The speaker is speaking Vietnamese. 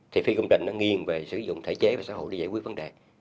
thì phi công trình nó nghiêng về sử dụng thể chế và xã hội để giải quyết vấn đề